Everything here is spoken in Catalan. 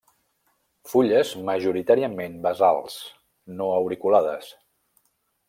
Fulles majoritàriament basals; no auriculades.